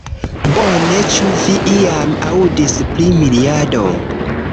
Bone, ĉu vi iam aŭdis pri miriado?